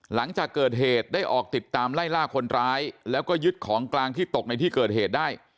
หลังจากเกิดเหตุได้ออกติดตามไล่ล่าคนร้ายแล้วก็ยึดของกลางที่ตกในที่เกิดเหตุได้